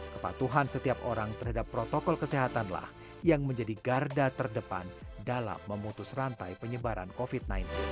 kepatuhan setiap orang terhadap protokol kesehatanlah yang menjadi garda terdepan dalam memutus rantai penyebaran covid sembilan belas